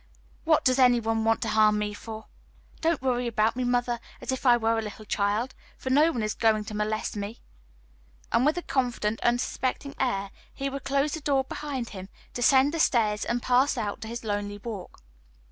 What does any one want to harm me for? Don't worry about me, mother, as if I were a little child, for no one is going to molest me;" and with a confident, unsuspecting air he would close the door behind him, descend the stairs, and pass out to his lonely walk.